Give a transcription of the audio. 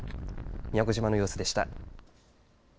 宮古島の様子でした。